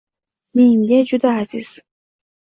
Menga juda aziz